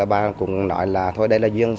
bà cũng nói là thôi đây là duy nhất